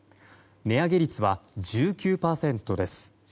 値上げ率は１９％です。